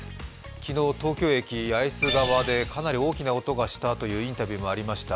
昨日、東京駅・八重洲側でかなり大きな音がしたというインタビューもありました。